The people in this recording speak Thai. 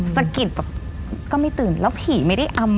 สะกิดแบบก็ไม่ตื่นแล้วผีไม่ได้อำ